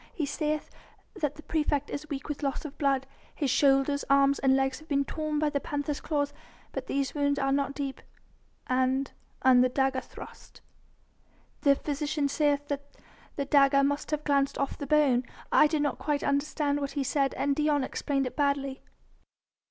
He saith that the praefect is weak with loss of blood. His shoulders, arms and legs have been torn by the panther's claws, but these wounds are not deep." "And ... and the dagger thrust?" "The physician saith that the dagger must have glanced off the bone. I did not quite understand what he said, and Dion explained it badly."